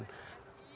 habib rizik menduga